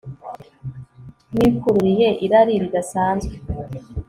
Mwikururiye irari ridasanzwe